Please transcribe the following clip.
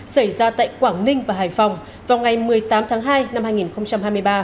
xảy ra tại quảng ninh và hải phòng vào ngày một mươi tám tháng hai năm hai nghìn hai mươi ba